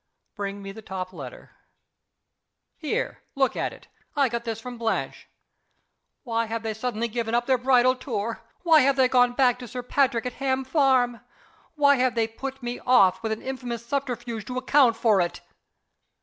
Bring me the top letter. Here! Look at it. I got this from Blanche. Why have they suddenly given up their bridal tour? Why have they gone back to Sir Patrick at Ham Farm? Why have they put me off with an infamous subterfuge to account for it?